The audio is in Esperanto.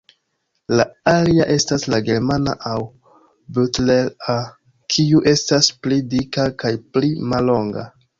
La alia estas la "Germana" aŭ "Butler"-a, kiu estas pli dika kaj pli mallonga.